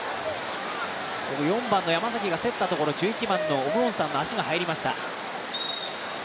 ４番の山崎が競ったところ、１１番のオム・ウォンサンの足が入りました。